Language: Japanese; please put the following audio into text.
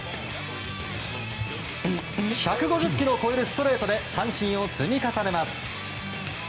１５０キロを超えるストレートで三振を積み重ねます。